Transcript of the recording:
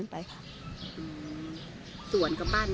ไป๙โมมกว่า